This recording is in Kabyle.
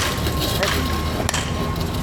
Adni.